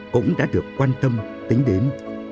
cũng đã được quan tâm tính đến